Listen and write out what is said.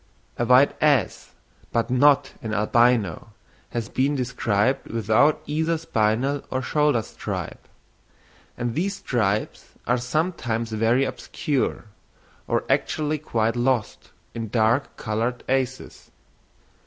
A white ass, but not an albino, has been described without either spinal or shoulder stripe; and these stripes are sometimes very obscure, or actually quite lost, in dark coloured asses.